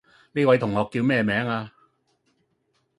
呢位同學叫咩名呀?